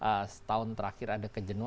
karena kami melihat setahun terakhir ada keputusan